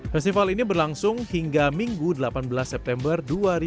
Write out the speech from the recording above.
festival ini berlangsung hingga minggu delapan belas september dua ribu dua puluh